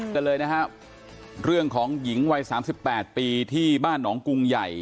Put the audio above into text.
กันเลยนะครับเรื่องของหญิงวัย๓๘ปีที่บ้านหนองกรุงใหญ่